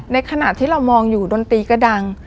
ในขณะที่เรามองอยู่ดนตรีก็ดัง